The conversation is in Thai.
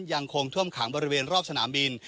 ยังคงท่วมขังบริเวณรอบสนามบิน